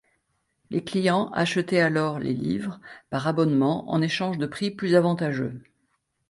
Les clients achetaient alors les livres par abonnement en échange de prix plus avantageux.